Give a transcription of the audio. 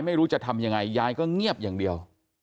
ไม่รู้จะทำยังไงยายก็เงียบอย่างเดียว